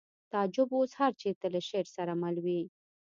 تعجب اوس هر چېرته له شعر سره مل وي